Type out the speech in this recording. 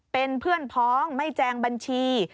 เป็นเพื่อนพ้องไม่แจงบัญชี